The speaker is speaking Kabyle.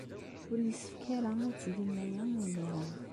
Ur yessefk ara ad tgem aya imir-a.